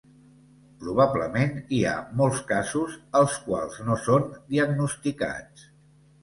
Probablement, hi ha molts casos els quals no són diagnosticats.